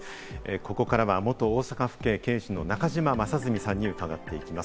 ここからは元大阪府警刑事の中島正純さんに伺っていきます。